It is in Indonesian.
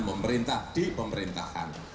memerintah di pemerintahan